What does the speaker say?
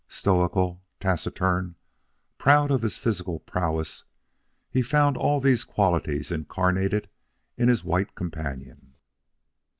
Stoical, taciturn, proud of his physical prowess, he found all these qualities incarnated in his white companion.